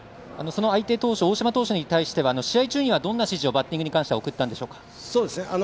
その相手、大嶋投手に関しては試合中にはどんな指示をバッティングに関しては送ったんでしょうか？